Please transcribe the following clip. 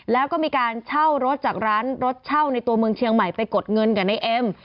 แล้วก็มีการเช่ารถจากร้านรถเช่าในตัวเมืองเชียงใหม่ไปกดเงินกับนายเอ็ม